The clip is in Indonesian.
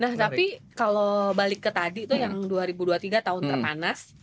nah tapi kalau balik ke tadi tuh yang dua ribu dua puluh tiga tahun terpanas